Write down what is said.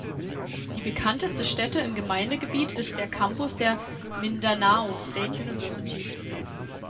Die bekannteste Stätte im Gemeindegebiet ist der Campus der Mindanao State University.